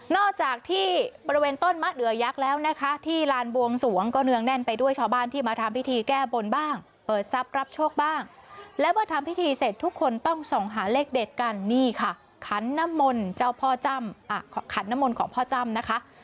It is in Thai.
จากที่บริเวณต้นมะเหลือยักษ์แล้วนะคะที่ลานบวงสวงก็เนืองแน่นไปด้วยชาวบ้านที่มาทำพิธีแก้บนบ้างเปิดทรัพย์รับโชคบ้างและเมื่อทำพิธีเสร็จทุกคนต้องส่องหาเลขเด็ดกันนี่ค่ะขันน้ำมนต์เจ้าพ่อขันน้ำมนต์ของพ่อจ้ำนะคะ